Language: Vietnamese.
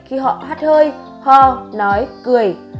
khi họ hát hơi ho nói cười